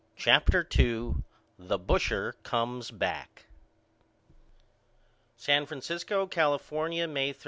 CHAPTER II The Busher Comes Back San Francisco, California, May 13.